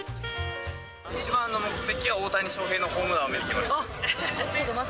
一番の目的は、大谷翔平のホームランを見ることです。